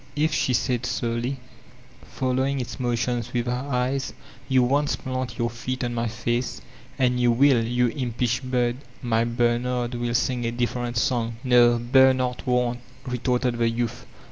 'If," she said slowly, following its motions with her eyes, ''you once plant your feet on my face, and you will, you inqnsh bird— my Bernard will sing a different song." ''No, Bernard won't," retorted the youth.